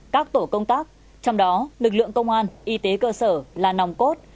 các tổ công tác trong đó lực lượng công an y tế cơ sở là nòng cốt